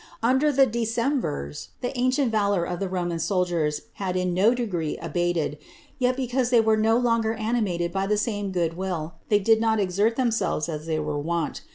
Under the decemvirs the ancient valour of the Roman soldiers had in no degree abated; yet, because they were no longer animated by the same good will, they did not exert themselves as they were wont.